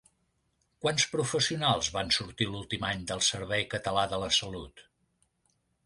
Quants professionals van sortir l'últim any del Servei Català de la Salut?